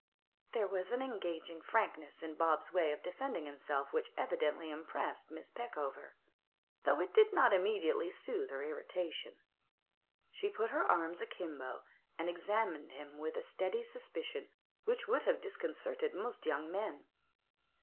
There was an engaging frankness in Bob's way of defending himself which evidently impressed Miss Peckover, though it did not immediately soothe her irritation. She put her arms a kimbo, and examined him with a steady suspicion which would have disconcerted most young men.